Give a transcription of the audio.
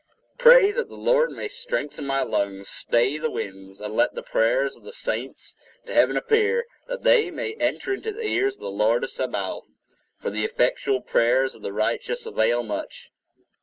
Pray that the Lord may strengthen my lungs, stay the winds, and let the prayers of the Saints to heaven appear, that they may enter into the ears of the Lord of Sabaoth, for the effectual prayers of the righteous avail much.